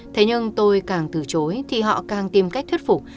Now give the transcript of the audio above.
thế nhưng tôi càng từ chối thì họ càng tìm cách thuyết phục